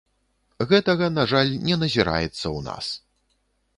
Гэтага, на жаль, не назіраецца ў нас.